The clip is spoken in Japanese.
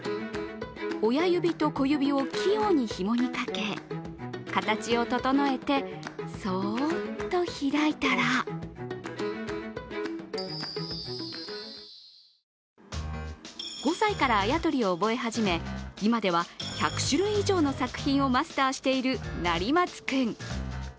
親指と小指を器用に指ひもにかけ形を整えて、そっと開いたら５歳からあやとりを覚え始め今では１００種類以上の作品をマスターしている成松君。